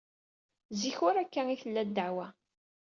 Zik ur akka ay tella ddeɛwa.